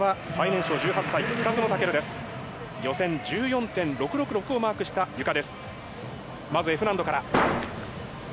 予選１４．６６６をマークしたゆか。